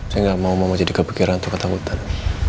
saya gak mau mama jadi kepikiran atau ketakutan